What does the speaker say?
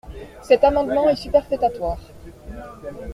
Cet amendement est superfétatoire.